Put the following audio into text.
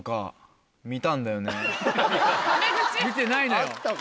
見てないのよ。